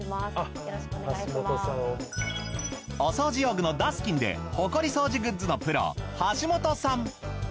お掃除用具のダスキンでホコリ掃除グッズのプロ橋本さん。